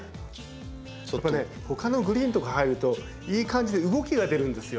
やっぱねほかのグリーンとか入るといい感じで動きが出るんですよ。